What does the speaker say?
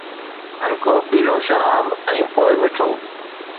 هلڪو پيلو شراب ۽ پوء مٺو